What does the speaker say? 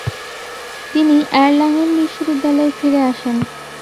তিনি এরলাঙেন বিশ্ববিদ্যালয়ে ফিরে আসেন।